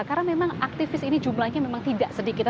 karena memang aktivis ini jumlahnya memang tidak sedikit